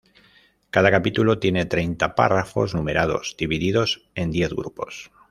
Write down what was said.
Cada capítulo tiene treinta párrafos numerados, divididos en diez grupos.